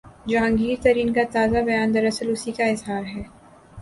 جہانگیر ترین کا تازہ بیان دراصل اسی کا اظہار ہے۔